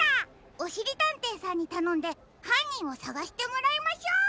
おしりたんていさんにたのんではんにんをさがしてもらいましょう！